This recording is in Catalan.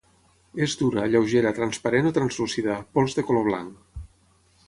És dura, lleugera, transparent o translúcida; pols de color blanc.